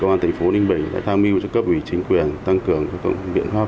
công an tỉnh phố ninh bình đã tham mưu cho cấp ủy chính quyền tăng cường các công nghệ biện pháp